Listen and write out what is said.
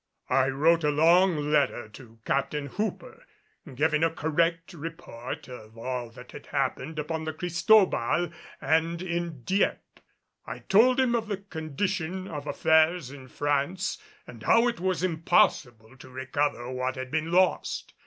I wrote a long letter to Captain Hooper, giving a correct report of all that had happened upon the Cristobal and in Dieppe. I told him of the condition of affairs in France and how it was impossible to recover what had been lost.